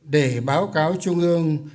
để báo cáo trung ương